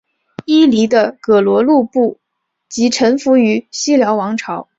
伊犁的葛逻禄部即臣服于西辽王朝。